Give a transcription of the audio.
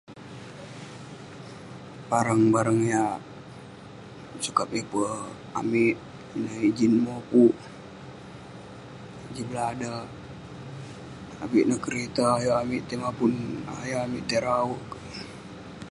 Barang barang yah sukat miper amik, yan ijin mopuk, ijin beladak, avik neh kerita ayuk amik tai mapun- ayuk amik tai rauk.